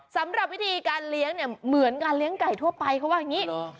สำหรับวิธีการเลี้ยงเนี่ยเหมือนการเลี้ยงไก่ทั่วไปเขาว่าอย่างนี้